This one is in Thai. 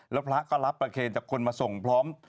แล้วพระก็รับประเคนจากคนมาส่งพร้อม